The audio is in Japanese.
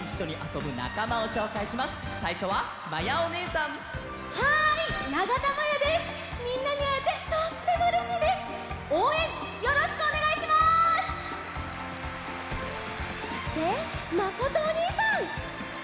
そしてまことおにいさん！